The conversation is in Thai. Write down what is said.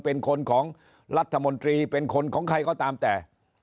เป็นคนของรัฐมนตรีเป็นคนของใครก็ตามแต่